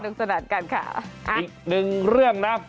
สนัดกันค่ะอีกหนึ่งเรื่องนะ